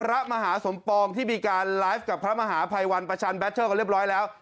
พระมหาสมปองที่มีการไลฟ์กับพระมหาภัยวันประชันแบตเทอร์กันเรียบร้อยแล้ว